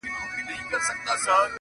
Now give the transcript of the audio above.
انساني ارزښتونه کمزوري کيږي ډېر.